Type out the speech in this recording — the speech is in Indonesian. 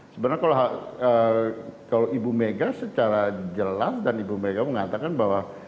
sebenarnya kalau ibu mega secara jelas dan ibu mega mengatakan bahwa